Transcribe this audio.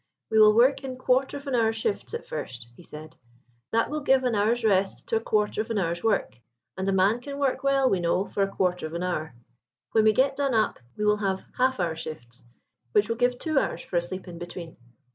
"We will work in quarter of an hour shifts at first," he said; "that will give an hour's rest to a quarter of an hour's work, and a man can work well, we know, for a quarter of an hour. When we get done up we will have half hour shifts, which will give two hours for a sleep in between."